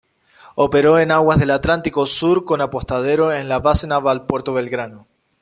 Operó en aguas del Atlántico Sur con apostadero en la Base Naval Puerto Belgrano.